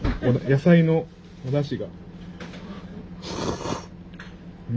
野菜のおだしが。